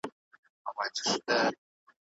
هغه سورتونه، چي په مقطعاتو حروفو پيل سوي دي.